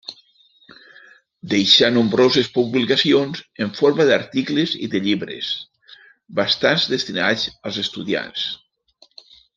Deixà nombroses publicacions en forma d'articles i de llibres, bastants destinats als estudiants.